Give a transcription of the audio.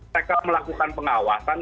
mereka melakukan pengawasan